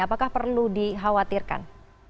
apakah perlu dikhawatirkan